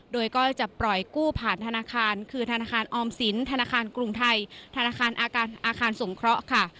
โดยก็จะปล่อยกู้ผ่านธนาคารคือธนาคารออมสินธนาคารกรุงไทยธนาคารอาคารสงเคราะห์ค่ะ